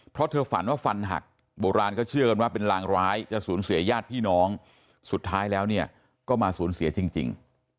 เพราะเธอฝันว่าฟันหักโบราณก็เชื่อกันว่าเป็นรางร้ายจะสูญเสียญาติพี่น้องสุดท้ายแล้วเนี่ยก็มาสูญเสียจริง